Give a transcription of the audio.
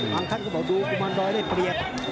ท่านก็บอกดูกุมารดอยได้เปรียบ